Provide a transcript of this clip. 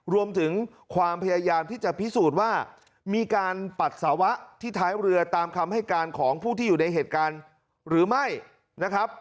รวมถึงความพยายามที่จะพิสูจน์ว่ามีการปัสสาวะที่ท้ายเรือตามคำให้การของผู้ที่อยู่ในเหตุการณ์หรือไม่นะครับ